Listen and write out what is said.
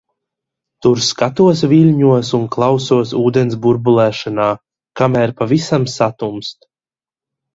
Tur skatos viļņos un klausos ūdens burbulēšanā, kamēr pavisam satumst.